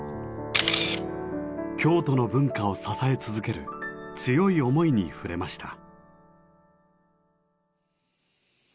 京都の文化を支え続ける強い思いに触れました。